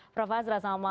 prof azra selamat malam